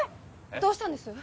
どうしたんです？